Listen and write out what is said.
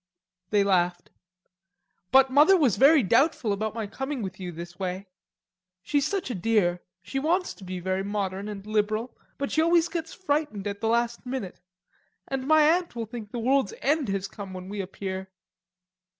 They laughed. "But mother was very doubtful about my coming with you this way. She's such a dear, she wants to be very modern and liberal, but she always gets frightened at the last minute. And my aunt will think the world's end has come when we appear."